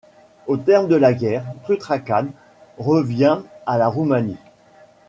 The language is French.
Au terme de la guerre, Tutrakan revient à la Roumanie.